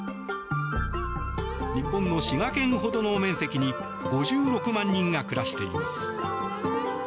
日本の滋賀県ほどの面積に５６万人が暮らしています。